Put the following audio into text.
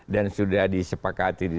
dan sudah disepakati di